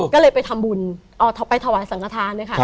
ก็เลยไปทำบุญไปถวายสังฆาธาร